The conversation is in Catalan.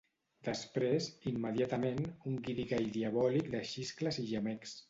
Després, immediatament, un guirigall diabòlic de xiscles i gemecs.